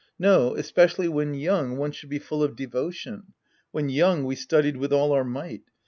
No, especially when young, one should be full of devotion. When young, we studied with all our might.